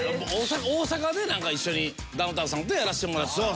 大阪で一緒にダウンタウンさんとやらせてもらってたので。